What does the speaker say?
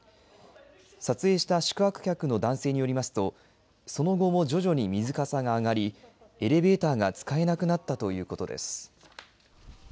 撮影した宿泊客の男性によりますとその後も徐々に水かさが上がりエレベーターが使えなくなったということです。